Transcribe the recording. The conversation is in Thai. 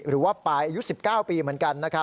หรือว่าปายอายุ๑๙ปีเหมือนกัน